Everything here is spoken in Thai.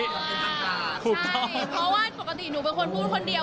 ใช่เพราะว่าปกติหนูเป็นคนพูดคนเดียว